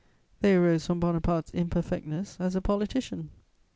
They arose from Bonaparte's imperfectness as a politician.